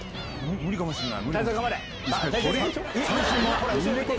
無理かもしれない。